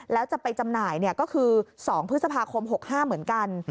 แล้วจะไปจำหน่ายก็คือ๒พฤษภาคม๖๕เหมือนกัน